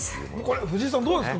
藤井さん、これどうですか？